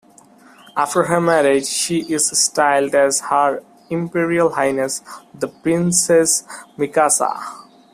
After her marriage, she is styled as "Her Imperial Highness" The Princess Mikasa.